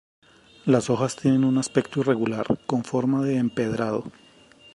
Las hojas tienen un aspecto irregular, con forma de empedrado.